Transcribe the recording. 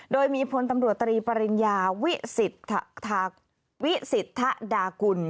โดยมีพลตำรวจตรีปริญญาวิสิทธดากุล